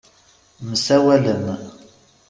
Msawalen.